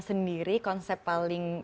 sendiri konsep paling